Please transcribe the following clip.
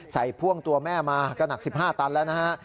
พ่วงตัวแม่มาก็หนัก๑๕ตันแล้วนะฮะ